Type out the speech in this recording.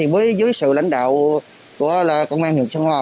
với dưới sự lãnh đạo của công an huyện sơn hòa